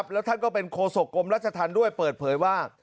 แล้วท่านก็เป็นโคศกรมราชธรรมด้วยเปิดเผยว่า